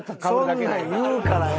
そんなん言うからや！